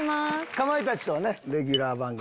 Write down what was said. かまいたちとはレギュラー番組。